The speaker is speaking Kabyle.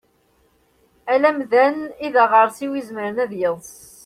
Ala amdan i daɣersiw izemren ad yeḍs.